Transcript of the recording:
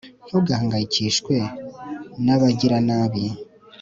ntugahangayikishwe n'abagiranabi